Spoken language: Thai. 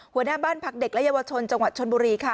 ที่บ้านพักเด็กระยะวชนจังหวัดชนบุรีค่ะ